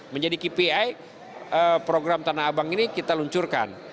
menjadi kpi program tanah abang ini kita luncurkan